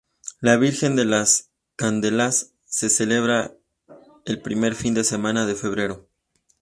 La Virgen de Las Candelas se celebra el primer fin de semana de febrero.